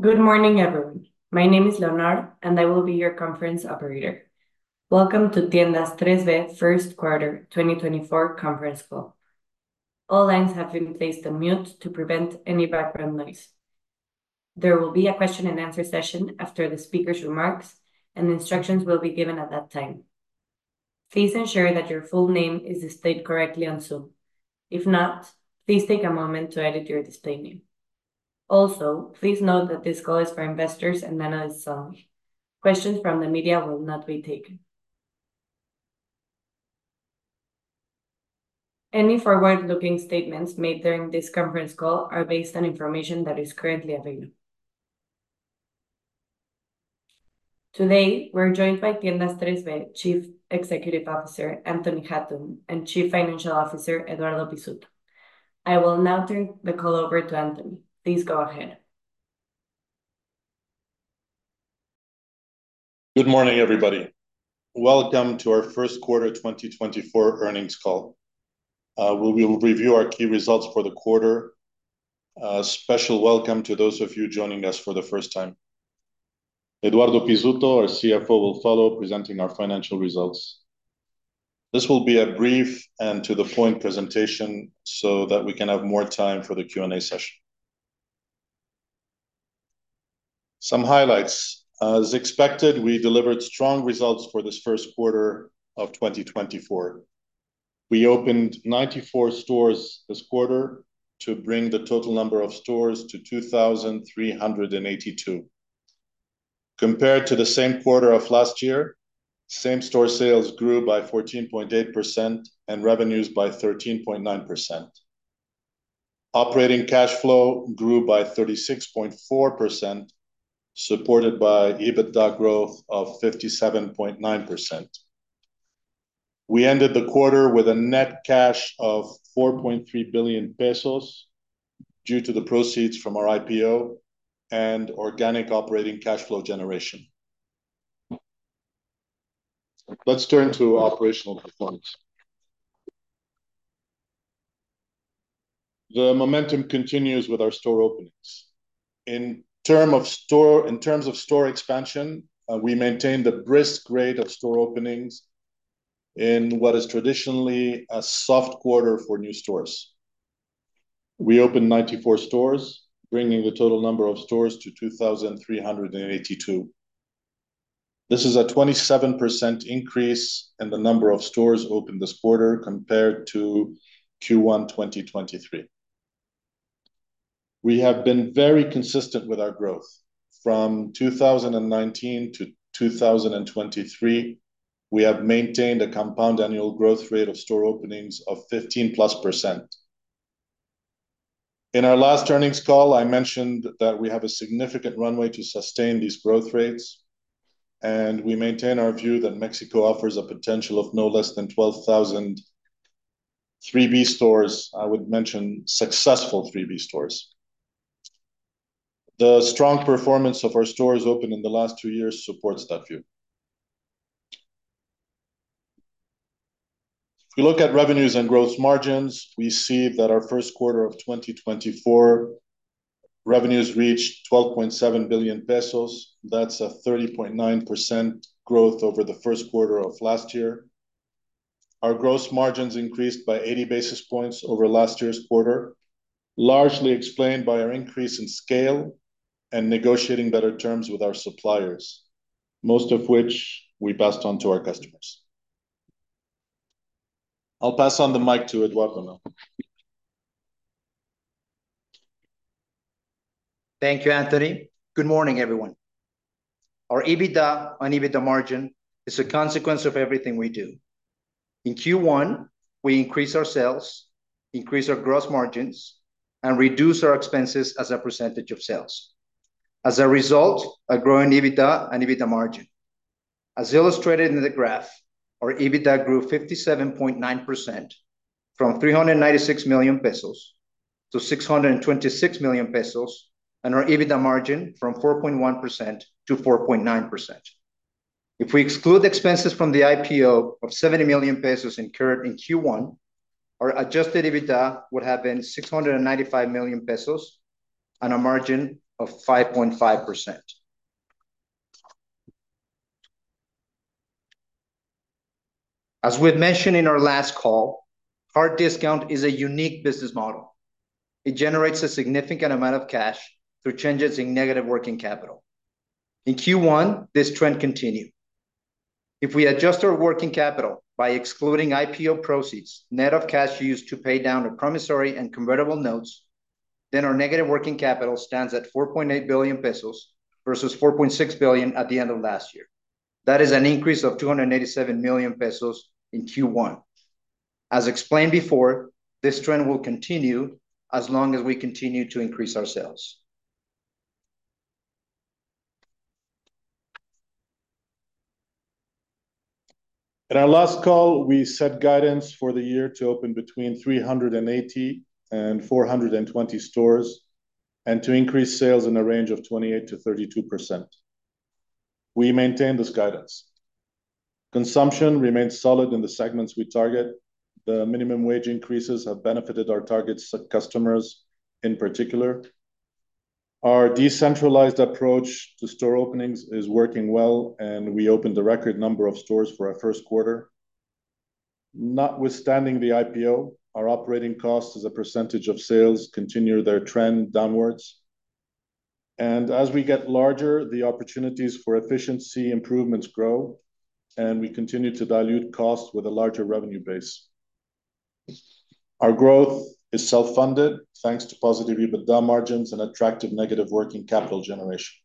Good morning, everyone. My name is Leonor, and I will be your conference operator. Welcome to Tiendas Tres B first quarter 2024 conference call. All lines have been placed on mute to prevent any background noise. There will be a question and answer session after the speaker's remarks, and instructions will be given at that time. Please ensure that your full name is displayed correctly on Zoom. If not, please take a moment to edit your display name. Also, please note that this call is for investors and analysts only. Questions from the media will not be taken. Any forward-looking statements made during this conference call are based on information that is currently available. Today, we're joined by Tiendas Tres B Chief Executive Officer, Anthony Hatoum, and Chief Financial Officer, Eduardo Pizzuto. I will now turn the call over to Anthony. Please go ahead. Good morning, everybody. Welcome to our first quarter 2024 earnings call, where we will review our key results for the quarter. Special welcome to those of you joining us for the first time. Eduardo Pizzuto, our CFO, will follow, presenting our financial results. This will be a brief and to the point presentation so that we can have more time for the Q&A session. Some highlights. As expected, we delivered strong results for this first quarter of 2024. We opened 94 stores this quarter to bring the total number of stores to 2,382. Compared to the same quarter of last year, same-store sales grew by 14.8% and revenues by 13.9%. Operating cash flow grew by 36.4%, supported by EBITDA growth of 57.9%. We ended the quarter with a net cash of 4.3 billion pesos due to the proceeds from our IPO and organic operating cash flow generation. Let's turn to operational performance. The momentum continues with our store openings. In terms of store expansion, we maintained a brisk rate of store openings in what is traditionally a soft quarter for new stores. We opened 94 stores, bringing the total number of stores to 2,382. This is a 27% increase in the number of stores opened this quarter compared to Q1 2023. We have been very consistent with our growth. From 2019 to 2023, we have maintained a compound annual growth rate of store openings of 15%+. In our last earnings call, I mentioned that we have a significant runway to sustain these growth rates, and we maintain our view that Mexico offers a potential of no less than 12,000 3B stores. I would mention successful 3B stores. The strong performance of our stores opened in the last three years supports that view. If we look at revenues and gross margins, we see that our first quarter of 2024, revenues reached 12.7 billion pesos. That's a 30.9% growth over the first quarter of last year. Our gross margins increased by 80 basis points over last year's quarter, largely explained by our increase in scale and negotiating better terms with our suppliers, most of which we passed on to our customers. I'll pass on the mic to Eduardo now. Thank you, Anthony. Good morning, everyone. Our EBITDA and EBITDA margin is a consequence of everything we do. In Q1, we increased our sales, increased our gross margins, and reduced our expenses as a percentage of sales. As a result, a growing EBITDA and EBITDA margin. As illustrated in the graph, our EBITDA grew 57.9% from 396 million pesos to 626 million pesos, and our EBITDA margin from 4.1% to 4.9%. If we exclude the expenses from the IPO of 70 million pesos incurred in Q1, our adjusted EBITDA would have been 695 million pesos on a margin of 5.5%. As we had mentioned in our last call, hard discount is a unique business model. It generates a significant amount of cash through changes in negative working capital. In Q1, this trend continued. If we adjust our working capital by excluding IPO proceeds, net of cash used to pay down a promissory and convertible notes, then our negative working capital stands at 4.8 billion pesos versus 4.6 billion at the end of last year. That is an increase of 287 million pesos in Q1. As explained before, this trend will continue as long as we continue to increase our sales. At our last call, we set guidance for the year to open between 380-420 stores, and to increase sales in the range of 28%-32%. We maintain this guidance. Consumption remains solid in the segments we target. The minimum wage increases have benefited our target customers, in particular. Our decentralized approach to store openings is working well, and we opened a record number of stores for our first quarter. Notwithstanding the IPO, our operating costs as a percentage of sales continue their trend downwards. As we get larger, the opportunities for efficiency improvements grow, and we continue to dilute costs with a larger revenue base. Our growth is self-funded, thanks to positive EBITDA margins and attractive negative working capital generation.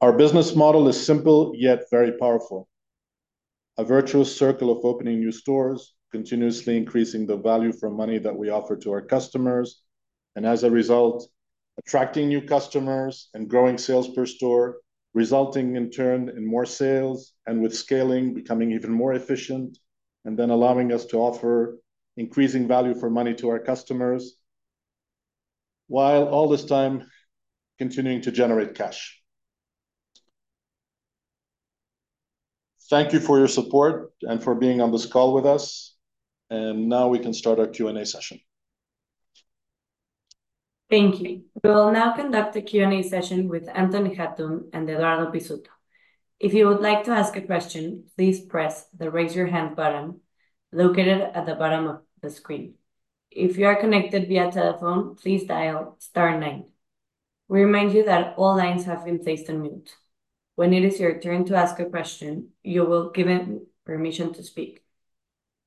Our business model is simple, yet very powerful. A virtuous circle of opening new stores, continuously increasing the value for money that we offer to our customers, and as a result, attracting new customers and growing sales per store, resulting in turn in more sales, and with scaling, becoming even more efficient, and then allowing us to offer increasing value for money to our customers, while all this time continuing to generate cash. Thank you for your support and for being on this call with us, and now we can start our Q&A session. Thank you. We will now conduct a Q&A session with Anthony Hatoum and Eduardo Pizzuto. If you would like to ask a question, please press the Raise Your Hand button located at the bottom of the screen. If you are connected via telephone, please dial star nine. We remind you that all lines have been placed on mute. When it is your turn to ask a question, you will be given permission to speak.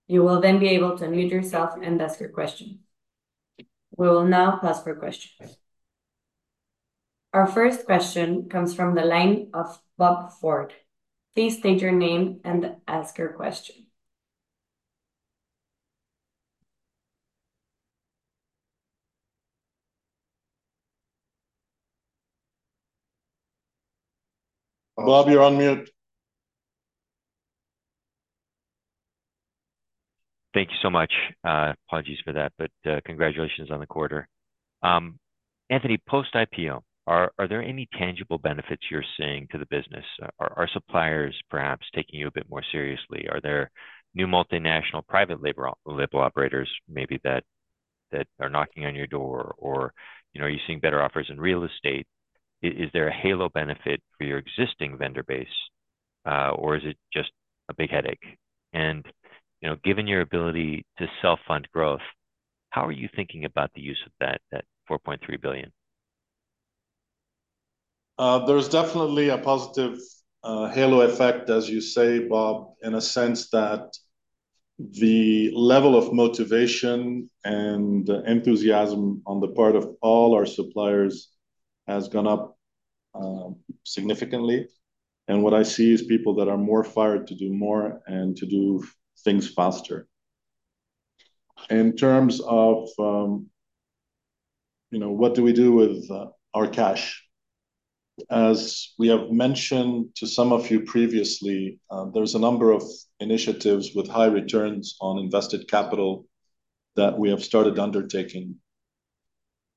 You will then be able to unmute yourself and ask your question. We will now pause for questions. Our first question comes from the line of Bob Ford. Please state your name and ask your question. Bob, you're on mute. Thank you so much. Apologies for that, but congratulations on the quarter. Anthony, post-IPO, are there any tangible benefits you're seeing to the business? Are suppliers perhaps taking you a bit more seriously? Are there new multinational private label operators, maybe that are knocking on your door? Or, you know, are you seeing better offers in real estate? Is there a halo benefit for your existing vendor base, or is it just a big headache? And, you know, given your ability to self-fund growth, how are you thinking about the use of that 4.3 billion? There's definitely a positive halo effect, as you say, Bob, in a sense that the level of motivation and enthusiasm on the part of all our suppliers has gone up significantly. And what I see is people that are more fired to do more and to do things faster. In terms of, you know, what do we do with our cash? As we have mentioned to some of you previously, there's a number of initiatives with high returns on invested capital that we have started undertaking,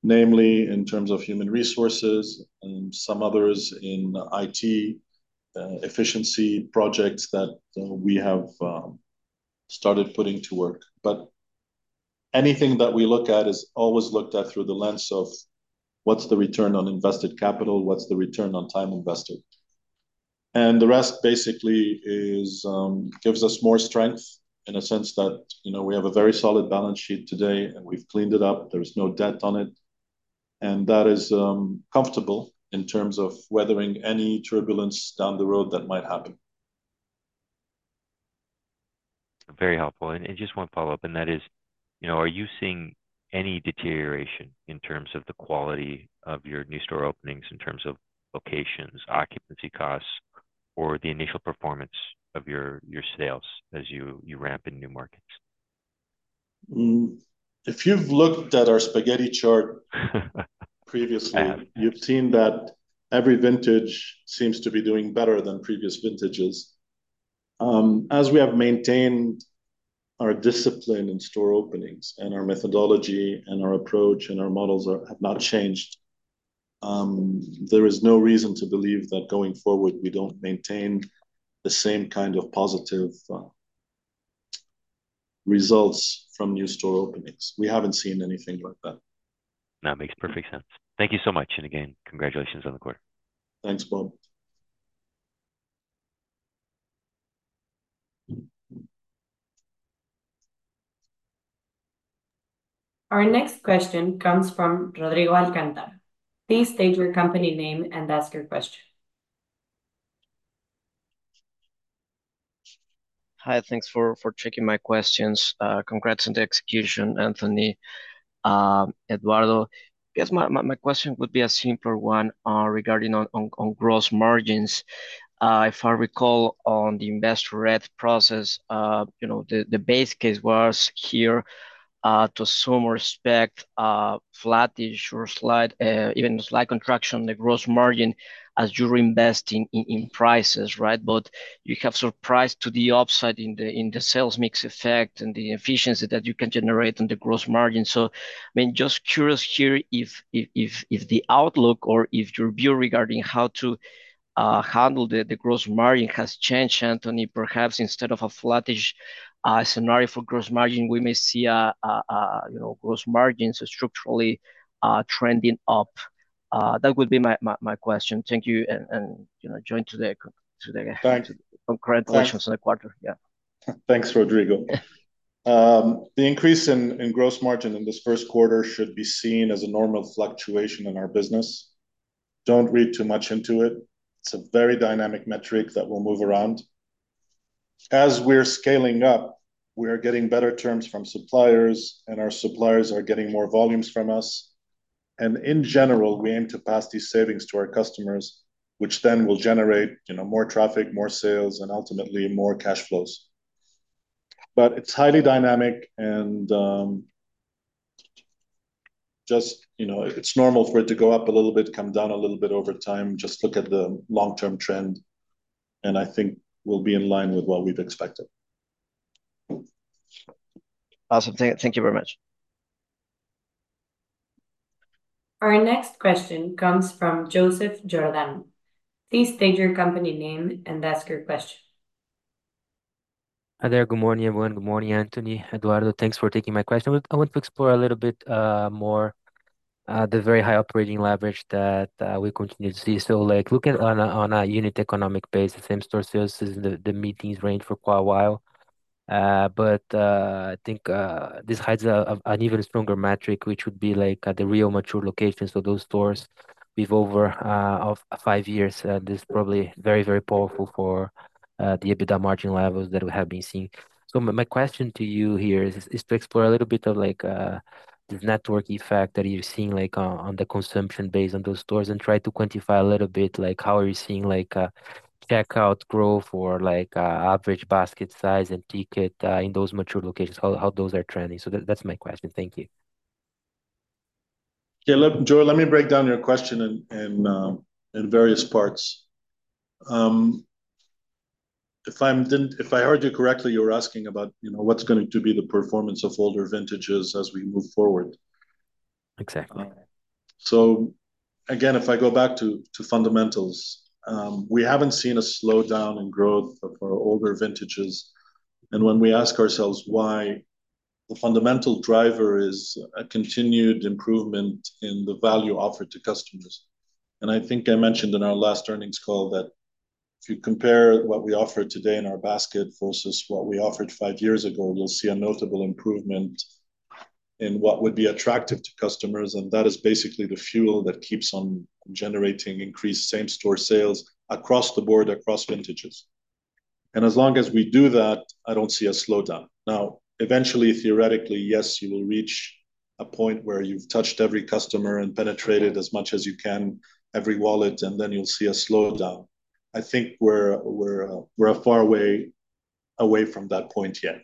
namely, in terms of human resources and some others in IT efficiency projects that we have started putting to work. But anything that we look at is always looked at through the lens of: What's the return on invested capital? What's the return on time invested? The rest basically is gives us more strength in a sense that, you know, we have a very solid balance sheet today, and we've cleaned it up. There is no debt on it, and that is comfortable in terms of weathering any turbulence down the road that might happen. Very helpful. And just one follow-up, and that is, you know, are you seeing any deterioration in terms of the quality of your new store openings, in terms of locations, occupancy costs, or the initial performance of your sales as you ramp in new markets? If you've looked at our spaghetti chart previously, you've seen that every vintage seems to be doing better than previous vintages. As we have maintained our discipline in store openings, and our methodology, and our approach, and our models are, have not changed, there is no reason to believe that going forward, we don't maintain the same kind of positive results from new store openings. We haven't seen anything like that. That makes perfect sense. Thank you so much, and again, congratulations on the quarter. Thanks, Bob. Our next question comes from Rodrigo Alcantara. Please state your company name and ask your question. Hi, thanks for taking my questions. Congrats on the execution, Anthony, Eduardo. I guess my question would be a simpler one, regarding gross margins. If I recall on the investor roadshow process, you know, the base case was to some respect flattish or slight, even slight contraction the gross margin as you're investing in prices, right? But you have surprised to the upside in the sales mix effect and the efficiency that you can generate on the gross margin. So, I mean, just curious here, if the outlook or if your view regarding how to handle the gross margin has changed, Anthony, perhaps instead of a flattish scenario for gross margin, we may see, you know, gross margins structurally trending up. That would be my question. Thank you, and you know, enjoy today. Thanks. Congratulations on the quarter. Yeah. Thanks, Rodrigo. The increase in gross margin in this first quarter should be seen as a normal fluctuation in our business. Don't read too much into it. It's a very dynamic metric that will move around. As we're scaling up, we are getting better terms from suppliers, and our suppliers are getting more volumes from us, and in general, we aim to pass these savings to our customers, which then will generate, you know, more traffic, more sales, and ultimately more cash flows. But it's highly dynamic and, just, you know, it's normal for it to go up a little bit, come down a little bit over time. Just look at the long-term trend, and I think we'll be in line with what we've expected. Awesome. Thank you very much. Our next question comes from Joseph Giordano. Please state your company name and ask your question. Hi there. Good morning, everyone. Good morning, Anthony, Eduardo. Thanks for taking my question. I want to explore a little bit more the very high operating leverage that we continue to see. So, like, looking on a unit economic base, the same-store sales is in the mid-teens range for quite a while. But I think this hides an even stronger metric, which would be like the real mature location. So those stores with over five years this is probably very, very powerful for the EBITDA margin levels that we have been seeing. So my question to you here is to explore a little bit like the network effect that you're seeing, like, on the consumption base on those stores, and try to quantify a little bit like how are you seeing like, checkout growth or like, average basket size and ticket in those mature locations, how those are trending? So that's my question. Thank you. Yeah, Joe, let me break down your question in various parts. If I heard you correctly, you were asking about, you know, what's going to be the performance of older vintages as we move forward. Exactly. So again, if I go back to fundamentals, we haven't seen a slowdown in growth of our older vintages. When we ask ourselves why, the fundamental driver is a continued improvement in the value offered to customers. I think I mentioned in our last earnings call that if you compare what we offer today in our basket versus what we offered five years ago, you'll see a notable improvement in what would be attractive to customers, and that is basically the fuel that keeps on generating increased same-store sales across the board, across vintages. As long as we do that, I don't see a slowdown. Now, eventually, theoretically, yes, you will reach a point where you've touched every customer and penetrated as much as you can, every wallet, and then you'll see a slowdown. I think we're far away from that point yet.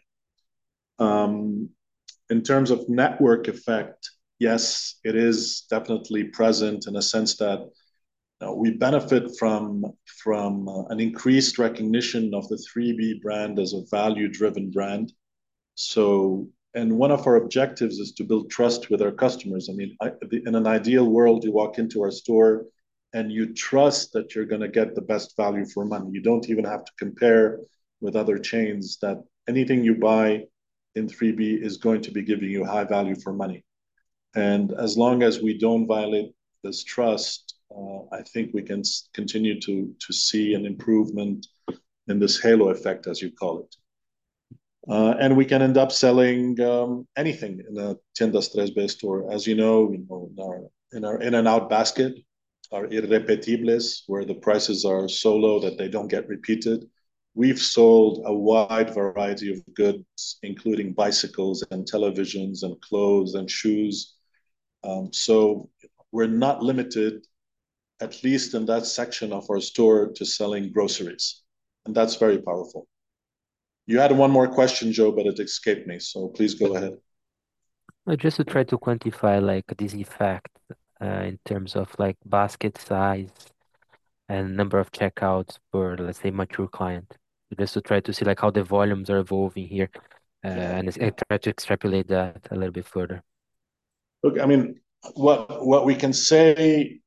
In terms of network effect, yes, it is definitely present in a sense that we benefit from an increased recognition of the 3B brand as a value-driven brand. So and one of our objectives is to build trust with our customers. I mean, in an ideal world, you walk into our store, and you trust that you're gonna get the best value for money. You don't even have to compare with other chains, that anything you buy in 3B is going to be giving you high value for money. And as long as we don't violate this trust, I think we can continue to see an improvement in this halo effect, as you call it. And we can end up selling anything in a Tiendas Tres B store. As you know, you know, in our, in our in-and-out basket, our irrepetibles, where the prices are so low that they don't get repeated, we've sold a wide variety of goods, including bicycles, and televisions, and clothes, and shoes. So we're not limited, at least in that section of our store, to selling groceries, and that's very powerful. You had one more question, Joe, but it escaped me, so please go ahead. Just to try to quantify, like, this effect, in terms of, like, basket size and number of checkouts per, let's say, mature client. Just to try to see, like, how the volumes are evolving here, and try to extrapolate that a little bit further. Look, I mean, what, what we can say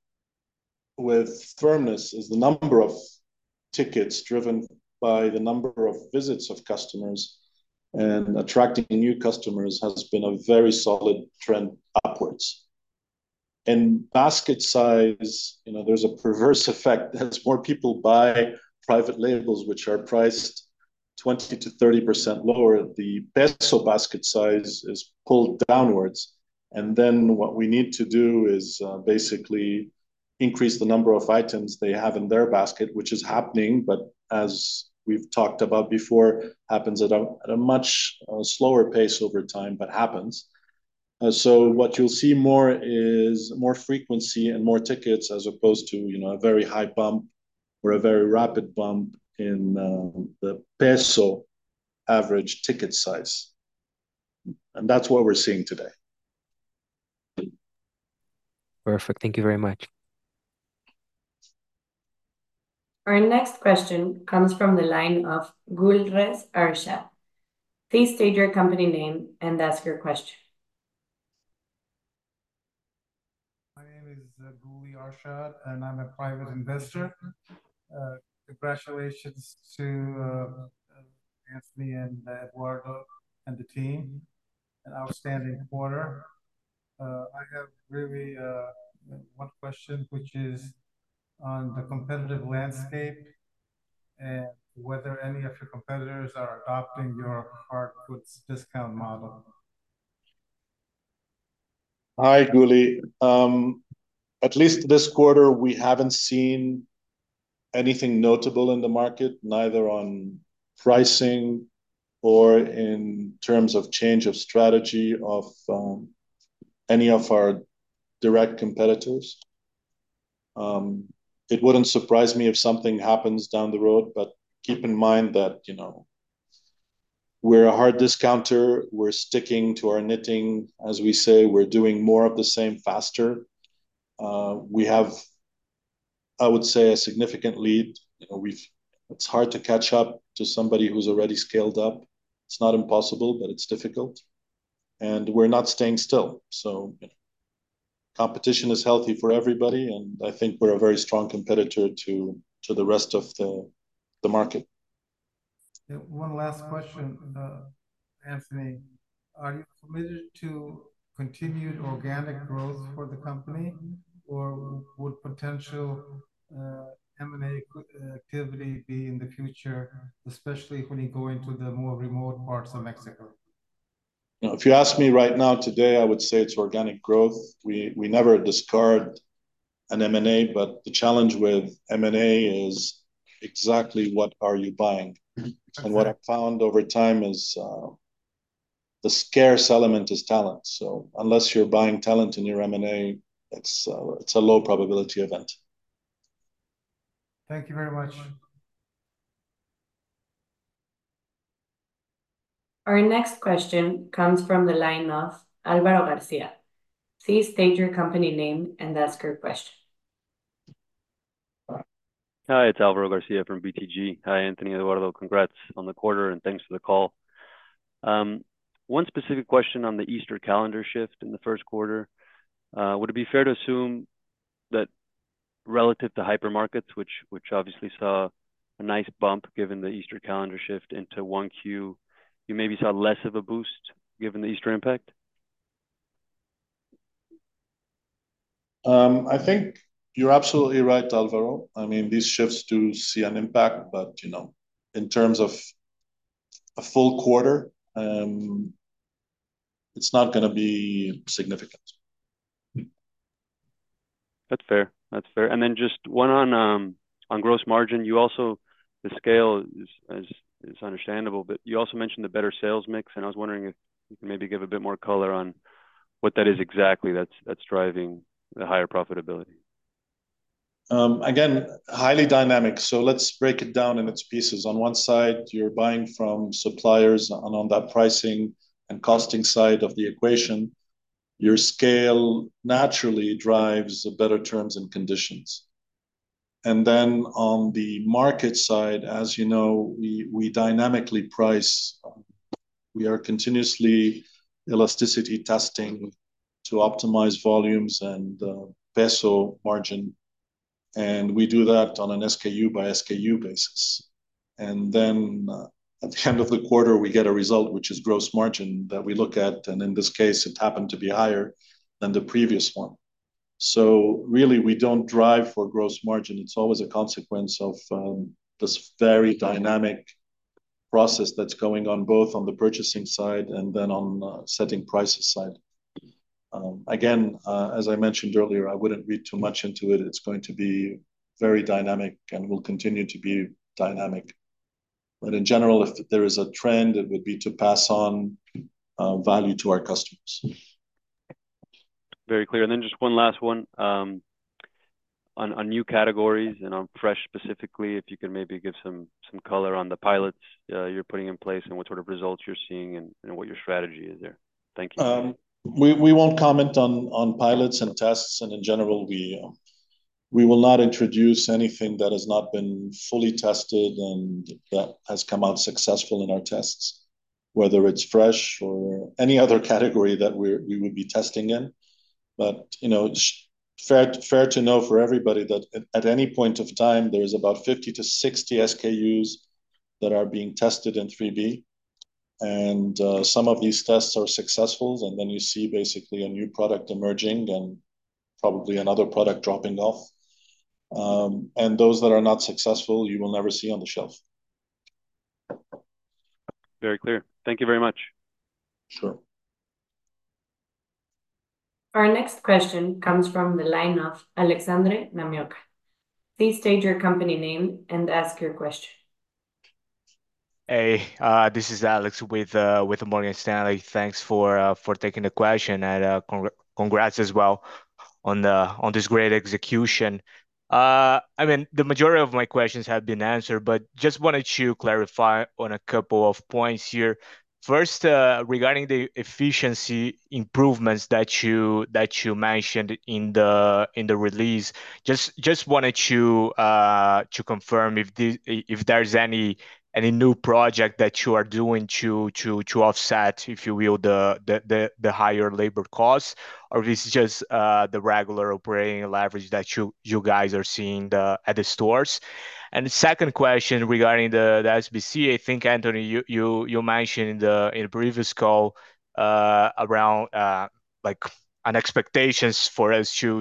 with firmness is the number of tickets driven by the number of visits of customers and attracting new customers has been a very solid trend upwards. And basket size, you know, there's a perverse effect. As more people buy private labels, which are priced 20%-30% lower, the MXN basket size is pulled downwards. And then, what we need to do is basically increase the number of items they have in their basket, which is happening, but as we've talked about before, happens at a much slower pace over time, but happens. So what you'll see more is more frequency and more tickets, as opposed to, you know, a very high bump or a very rapid bump in the MXN average ticket size. And that's what we're seeing today. Perfect. Thank you very much. Our next question comes from the line of Gulrez Arshad. Please state your company name and ask your question. My name is Gulrez Arshad, and I'm a private investor. Congratulations to Anthony and Eduardo and the team, an outstanding quarter. I have really one question, which is on the competitive landscape and whether any of your competitors are adopting your hard discount model? Hi, Gulrez. At least this quarter, we haven't seen anything notable in the market, neither on pricing or in terms of change of strategy of any of our direct competitors. It wouldn't surprise me if something happens down the road, but keep in mind that, you know, we're a hard discounter, we're sticking to our knitting. As we say, we're doing more of the same faster. We have, I would say, a significant lead. You know, we've, it's hard to catch up to somebody who's already scaled up. It's not impossible, but it's difficult, and we're not staying still. So competition is healthy for everybody, and I think we're a very strong competitor to the rest of the market. Yeah, one last question, Anthony. Are you committed to continued organic growth for the company, or would potential, M&A, activity be in the future, especially when you go into the more remote parts of Mexico? You know, if you ask me right now, today, I would say it's organic growth. We, we never discard an M&A, but the challenge with M&A is exactly what are you buying? Okay. What I've found over time is the scarce element is talent. So unless you're buying talent in your M&A, it's a low probability event. Thank you very much. Our next question comes from the line of Álvaro García. Please state your company name and ask your question. Hi, it's Álvaro García from BTG. Hi, Anthony, Eduardo. Congrats on the quarter, and thanks for the call. One specific question on the Easter calendar shift in the first quarter, would it be fair to assume that relative to hypermarkets, which obviously saw a nice bump given the Easter calendar shift into 1Q, you maybe saw less of a boost given the Easter impact? I think you're absolutely right, Álvaro. I mean, these shifts do see an impact, but, you know, in terms of a full quarter, it's not gonna be significant. That's fair, that's fair. And then just one on, on gross margin. You also... the scale is understandable, but you also mentioned the better sales mix, and I was wondering if you could maybe give a bit more color on what that is exactly that's driving the higher profitability. Again, highly dynamic, so let's break it down in its pieces. On one side, you're buying from suppliers, and on that pricing and costing side of the equation, your scale naturally drives better terms and conditions. And then on the market side, as you know, we, we dynamically price. We are continuously elasticity testing to optimize volumes and, peso margin, and we do that on an SKU by SKU basis. And then, at the end of the quarter, we get a result, which is gross margin that we look at, and in this case, it happened to be higher than the previous one. So really, we don't drive for gross margin. It's always a consequence of, this very dynamic process that's going on, both on the purchasing side and then on, setting prices side. Again, as I mentioned earlier, I wouldn't read too much into it. It's going to be very dynamic and will continue to be dynamic. But in general, if there is a trend, it would be to pass on value to our customers. Very clear. And then just one last one, on new categories and on fresh specifically, if you could maybe give some color on the pilots you're putting in place, and what sort of results you're seeing and what your strategy is there. Thank you. We won't comment on pilots and tests, and in general, we will not introduce anything that has not been fully tested and that has come out successful in our tests, whether it's fresh or any other category that we would be testing in. But you know, it's fair to know for everybody that at any point of time, there is about 50-60 SKUs that are being tested in 3B, and some of these tests are successful, and then you see basically a new product emerging and probably another product dropping off. And those that are not successful, you will never see on the shelf. Very clear. Thank you very much. Sure. Our next question comes from the line of Alexandre Namioka. Please state your company name and ask your question. Hey, this is Alex with Morgan Stanley. Thanks for taking the question, and congrats as well on this great execution. I mean, the majority of my questions have been answered, but just wanted to clarify on a couple of points here. First, regarding the efficiency improvements that you mentioned in the release, just wanted to confirm if there's any new project that you are doing to offset, if you will, the higher labor costs, or this is just the regular operating leverage that you guys are seeing at the stores? And the second question regarding the SBC, I think, Anthony, you mentioned in a previous call, around, like an expectations for us to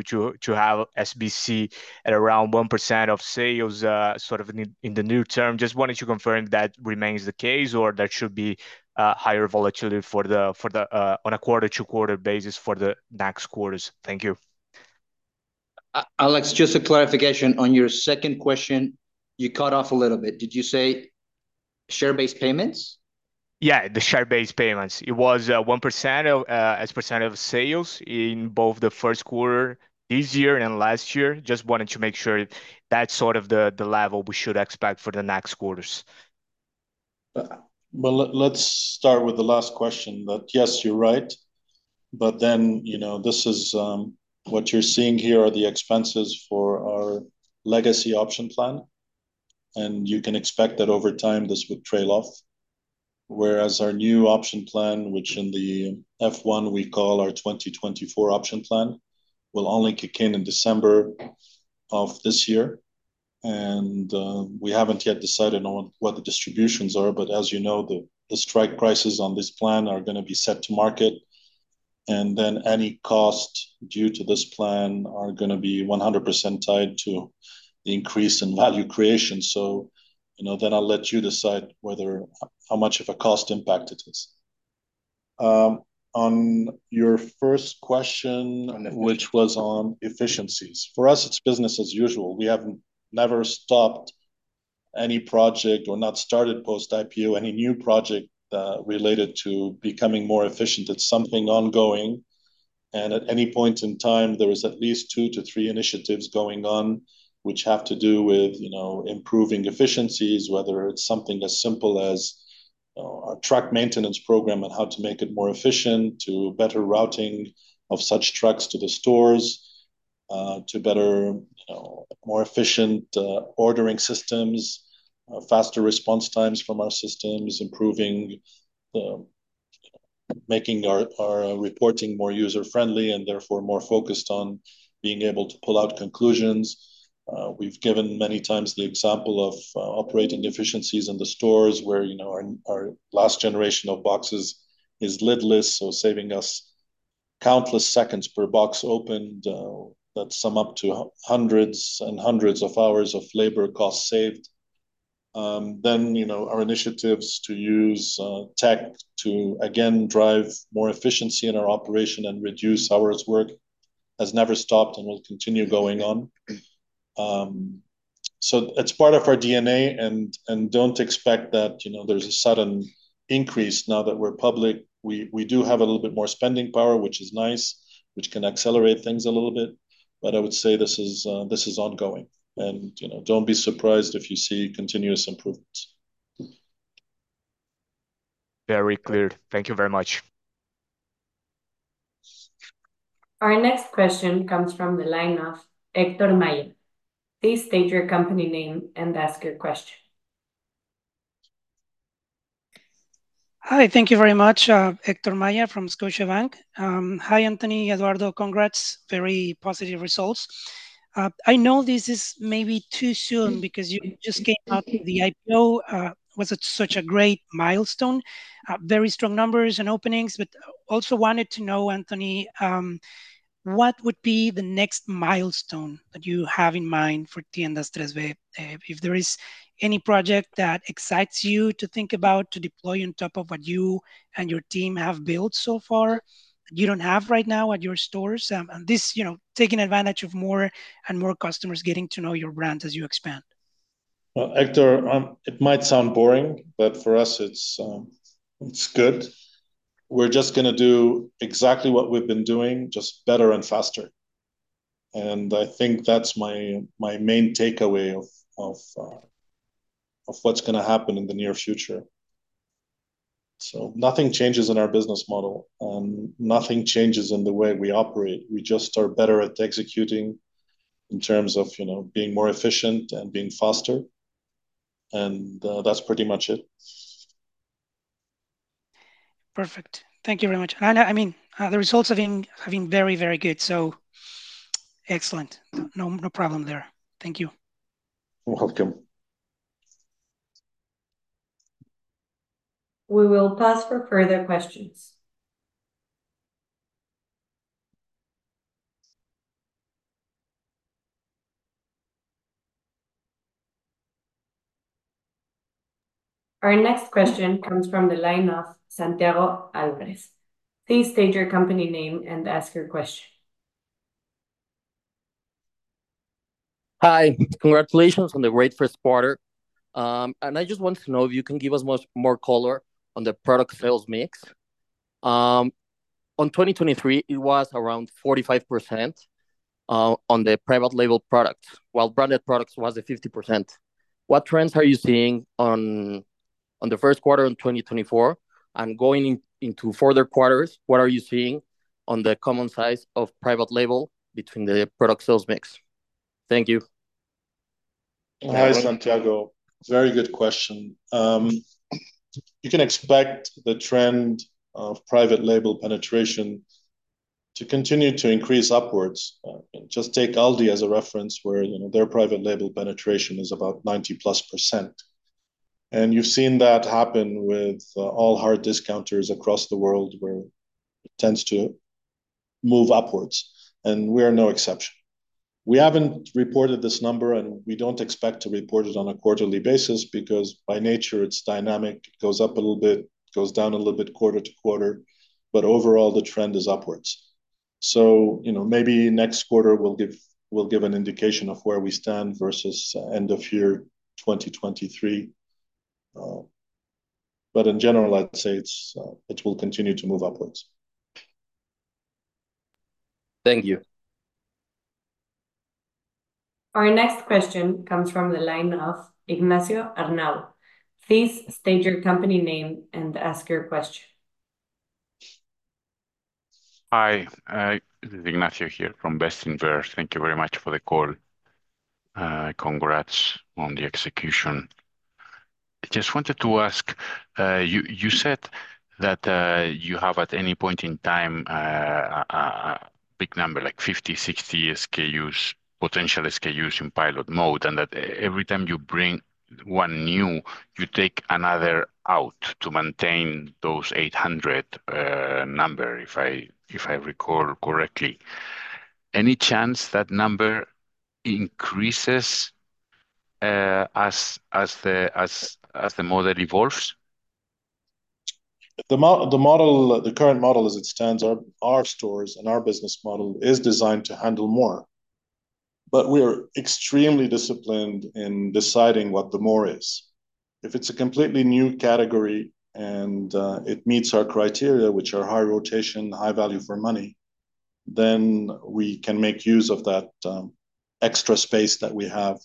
have SBC at around 1% of sales, sort of in the new term. Just wanted to confirm that remains the case or there should be higher volatility for the on a quarter-to-quarter basis for the next quarters. Thank you. Alex, just a clarification. On your second question, you cut off a little bit. Did you say share-based payments? Yeah, the share-based payments. It was 1% of sales in both the first quarter this year and last year. Just wanted to make sure that's sort of the level we should expect for the next quarters. Well, let's start with the last question. But yes, you're right, but then, you know, this is... What you're seeing here are the expenses for our legacy option plan, and you can expect that over time this would trail off. Whereas our new option plan, which in the F-1 we call our 2024 option plan, will only kick in in December of this year. And, we haven't yet decided on what the distributions are, but as you know, the strike prices on this plan are gonna be set to market, and then any costs due to this plan are gonna be 100% tied to the increase in value creation. So, you know, then I'll let you decide whether how much of a cost impact it is. On your first question which was on efficiencies: for us, it's business as usual. We have never stopped any project or not started post-IPO, any new project, related to becoming more efficient. It's something ongoing, and at any point in time, there is at least two to three initiatives going on, which have to do with, you know, improving efficiencies, whether it's something as simple as, our truck maintenance program and how to make it more efficient, to better routing of such trucks to the stores, to better, you know, more efficient, ordering systems, faster response times from our systems, improving, making our, our reporting more user-friendly and therefore more focused on being able to pull out conclusions. We've given many times the example of operating efficiencies in the stores where, you know, our last generation of boxes is lidless, so saving us countless seconds per box opened, that sum up to hundreds and hundreds of hours of labor costs saved. Then, you know, our initiatives to use tech to, again, drive more efficiency in our operation and reduce hours worked has never stopped, and will continue going on. So it's part of our DNA, and don't expect that, you know, there's a sudden increase now that we're public. We, we do have a little bit more spending power, which is nice, which can accelerate things a little bit, but I would say this is, this is ongoing. And, you know, don't be surprised if you see continuous improvements. Very clear. Thank you very much. Our next question comes from the line of Héctor Maya. Please state your company name and ask your question. Hi, thank you very much. Héctor Maya from Scotiabank. Hi, Anthony, Eduardo. Congrats, very positive results. I know this is maybe too soon, because you just came out with the IPO. Was such, such a great milestone, very strong numbers and openings. But also wanted to know, Anthony, what would be the next milestone that you have in mind for Tiendas Tres B? If there is any project that excites you to think about to deploy on top of what you and your team have built so far, you don't have right now at your stores? And this, you know, taking advantage of more and more customers getting to know your brand as you expand. Well, Héctor, it might sound boring, but for us, it's, it's good. We're just gonna do exactly what we've been doing, just better and faster, and I think that's my main takeaway of what's gonna happen in the near future. So nothing changes in our business model, nothing changes in the way we operate. We just are better at executing in terms of, you know, being more efficient and being faster, and that's pretty much it. Perfect. Thank you very much. And I mean, the results have been very, very good, so excellent. No, no problem there. Thank you. You're welcome. We will pause for further questions. Our next question comes from the line of Santiago Alvarez. Please state your company name and ask your question. Hi, congratulations on the great first quarter. I just want to know if you can give us much more color on the product sales mix. On 2023, it was around 45% on the private label product, while branded products was at 50%. What trends are you seeing on the first quarter in 2024? And going in, into further quarters, what are you seeing on the common size of private label between the product sales mix? Thank you. Hi, Santiago. Very good question. You can expect the trend of private label penetration to continue to increase upwards. Just take Aldi as a reference, where, you know, their private label penetration is about 90%+. You've seen that happen with all hard discounters across the world, where it tends to move upwards, and we're no exception. We haven't reported this number, and we don't expect to report it on a quarterly basis, because by nature, it's dynamic. It goes up a little bit, it goes down a little bit quarter to quarter, but overall, the trend is upwards. So, you know, maybe next quarter we'll give, we'll give an indication of where we stand versus end of year 2023. But in general, I'd say it's, it will continue to move upwards. Thank you. Our next question comes from the line of Ignacio Arnau. Please state your company name and ask your question. Hi, Ignacio here from Bestinver. Thank you very much for the call. Congrats on the execution. I just wanted to ask, you said that you have at any point in time a big number, like 50, 60 SKUs, potential SKUs in pilot mode, and that every time you bring one new, you take another out to maintain those 800 number, if I recall correctly. Any chance that number increases, as the model evolves? The model, the current model as it stands, our stores and our business model is designed to handle more, but we're extremely disciplined in deciding what the more is. If it's a completely new category, and it meets our criteria, which are high rotation, high value for money, then we can make use of that extra space that we have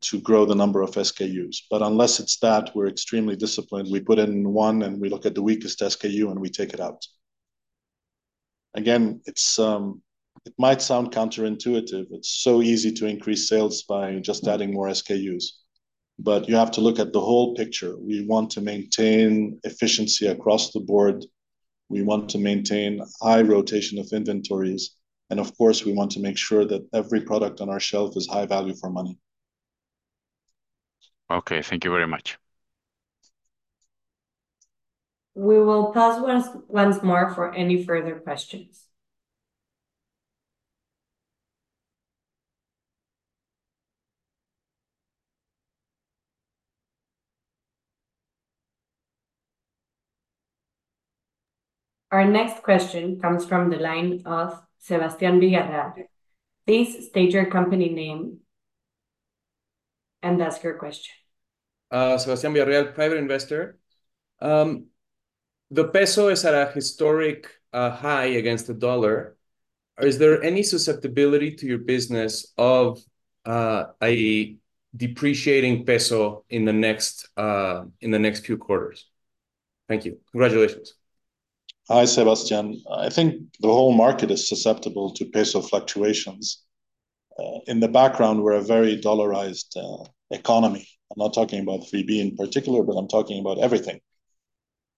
to grow the number of SKUs. But unless it's that, we're extremely disciplined. We put in one, and we look at the weakest SKU, and we take it out. Again, it might sound counterintuitive. It's so easy to increase sales by just adding more SKUs, but you have to look at the whole picture. We want to maintain efficiency across the board. We want to maintain high rotation of inventories, and of course, we want to make sure that every product on our shelf is high value for money. Okay, thank you very much. We will pause once, once more for any further questions. Our next question comes from the line of Sebastian Villarreal. Please state your company name and ask your question. Sebastian Villarreal, private investor. The Mexican peso is at a historic high against the U.S. dollar. Is there any susceptibility to your business of a depreciating Mexican peso in the next few quarters? Thank you. Congratulations. Hi, Sebastian. I think the whole market is susceptible to peso fluctuations. In the background, we're a very dollarized economy. I'm not talking about 3B in particular, but I'm talking about everything.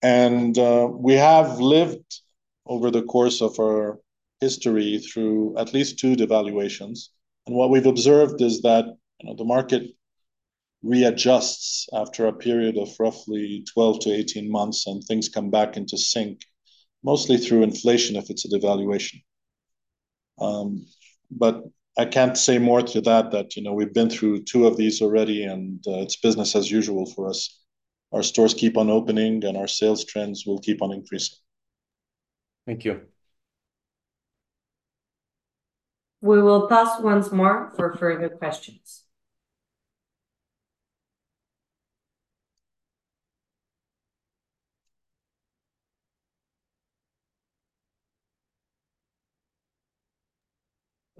We have lived over the course of our history through at least two devaluations, and what we've observed is that, you know, the market readjusts after a period of roughly 12-18 months, and things come back into sync, mostly through inflation, if it's a devaluation. But I can't say more to that, that, you know, we've been through two of these already, and it's business as usual for us. Our stores keep on opening, and our sales trends will keep on increasing. Thank you. We will pause once more for further questions.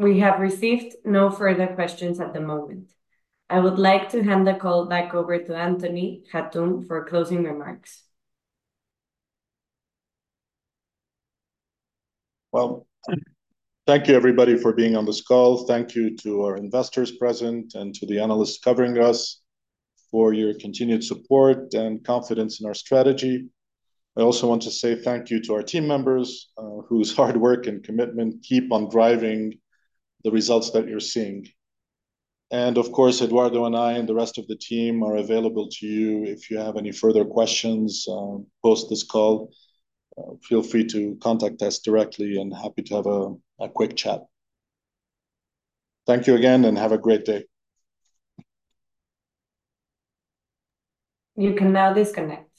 We have received no further questions at the moment. I would like to hand the call back over to Anthony Hatoum for closing remarks. Well, thank you, everybody, for being on this call. Thank you to our investors present and to the analysts covering us, for your continued support and confidence in our strategy. I also want to say thank you to our team members whose hard work and commitment keep on driving the results that you're seeing. Of course, Eduardo and I, and the rest of the team are available to you if you have any further questions post this call. Feel free to contact us directly, and happy to have a quick chat. Thank you again, and have a great day. You can now disconnect.